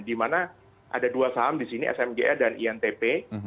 di mana ada dua saham di sini smja dan intp